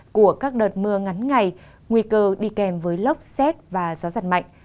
của các đợt mưa ngắn ngày nguy cơ đi kèm với lốc xét và gió giật mạnh